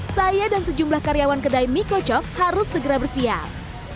saya dan sejumlah karyawan kedai mie kocok harus segera bersiap